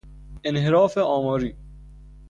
انحراف آماری